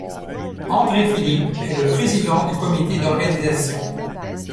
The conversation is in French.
André Philippe est le président du comité d'organisation.